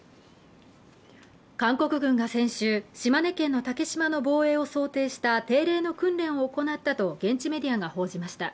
韓国軍が先週、島根県の竹島の防衛を想定した定例の訓練を行ったと現地メディアが報じました。